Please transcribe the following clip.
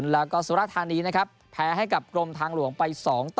แล้วก็สุรธานีนะครับแพ้ให้กับกรมทางหลวงไป๒ต่อ